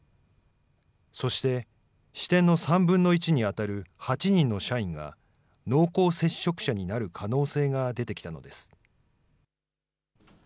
そして、支店の３分の１に当たる８人の社員が、濃厚接触者になる可能性が出てきたのです。